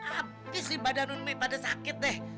abis nih badan ummi pada sakit deh